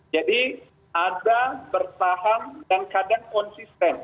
jadi ada bertahan dan kadang konsisten